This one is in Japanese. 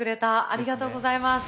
ありがとうございます。